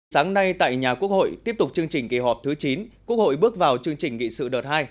sáng nay tại nhà quốc hội tiếp tục chương trình kỳ họp thứ chín quốc hội bước vào chương trình nghị sự đợt hai